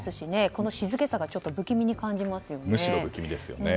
この静けさがちょっと不気味に感じますね。